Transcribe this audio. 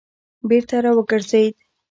بېرته را وګرځېد.